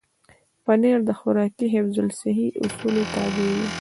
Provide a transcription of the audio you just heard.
پنېر د خوراکي حفظ الصحې اصولو تابع وي.